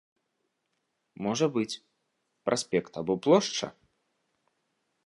Можа быць, праспект або плошча?